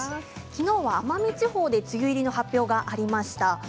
きのうは奄美地方で梅雨の発表がありました。